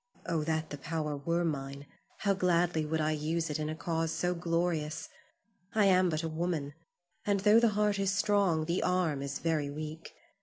Oh, that the power were mine, how gladly would I use it in a cause so glorious! I am but a woman, and tho' the heart is strong, the arm is very weak.